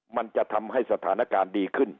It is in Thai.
มันจะทำให้สถานการณ์ดีขึ้น